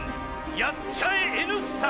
やっちゃえＮ産。